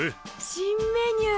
新メニュー！